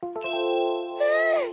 うん！